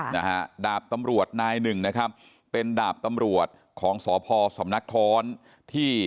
นะฮะดาบตำรวจนายหนึ่งนะครับเป็นดาบตำรวจของสพสำนักท้อนที่